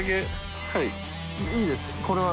いいですこれは。